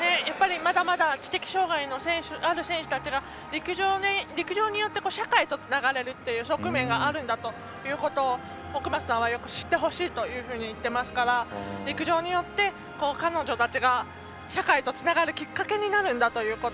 まだまだ知的障がいのある選手たちが陸上によって社会とつながれるという即面があるんだということを奥松さんは知ってほしいというふうに言ってますから陸上によって彼女たちが社会とつながるきっかけになるんだということ。